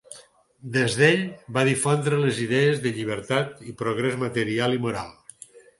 Des d'ell va difondre les idees de llibertat i progrés material i moral.